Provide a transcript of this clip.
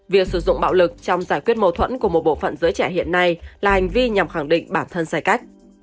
việc sử dụng bạo lực trong giải quyết mâu thuẫn của một bộ phận giới trẻ hiện nay là hành vi nhằm khẳng định bản thân sai cách